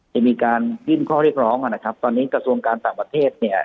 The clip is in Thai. จะมีการยื่นข้อเรียกร้องนะครับตอนนี้กระทรวงการต่างประเทศเนี่ย